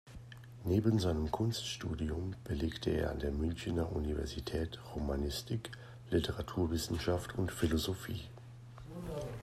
Neben seinem Kunststudium belegte er an der Münchener Universität Romanistik, Literaturwissenschaft und Philosophie.